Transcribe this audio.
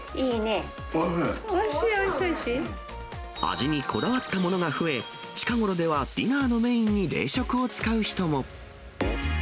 味にこだわったものが増え、近頃ではディナーのメインに冷食を使う人も。